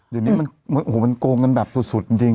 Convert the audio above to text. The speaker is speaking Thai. เดี๋ยวนี้มันโกงกันแบบสุดจริง